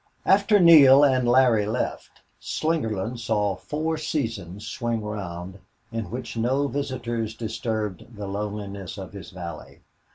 11 After Neale and Larry left, Slingerland saw four seasons swing round, in which no visitors disturbed the loneliness of his valley.